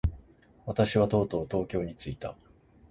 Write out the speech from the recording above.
私はとうとう東京に着いた。